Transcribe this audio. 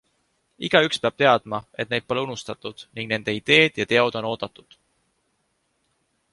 Igaüks peab teadma, et neid pole unustatud ning nende ideed ja teod on oodatud.